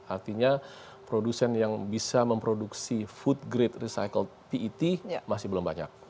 artinya produsen yang bisa memproduksi food grade recycle pet masih belum banyak